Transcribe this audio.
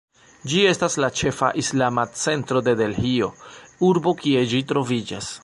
Ĝi estas la ĉefa islama centro de Delhio, urbo kie ĝi troviĝas.